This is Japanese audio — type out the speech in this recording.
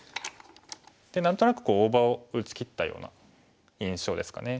何となく大場を打ちきったような印象ですかね。